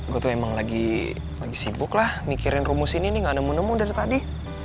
gue tuh emang lagi sibuk lah mikirin rumus ini nih gak nemu nemu dari tadi